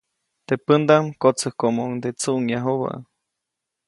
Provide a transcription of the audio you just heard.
Teʼ pändaʼm kotsäjkomoʼuŋde tsuʼŋyajubä.